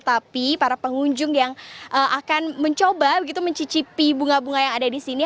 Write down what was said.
tapi para pengunjung yang akan mencoba begitu mencicipi bunga bunga yang ada di sini